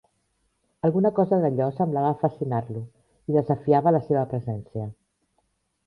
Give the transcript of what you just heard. Alguna cosa d'allò semblava fascinar-lo i desafiava la seva presència.